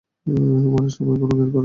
মরার সময়ও জ্ঞান দেয়া শুরু করেছিস?